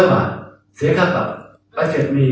๕๐๐บาทเสียค่าปับไปเสร็จมี